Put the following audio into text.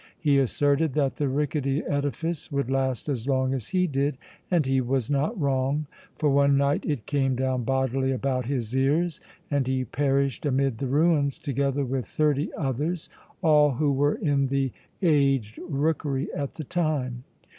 He asserted that the rickety edifice would last as long as he did, and he was not wrong, for one night it came down bodily about his ears and he perished amid the ruins together with thirty others, all who were in the aged rookery at the time.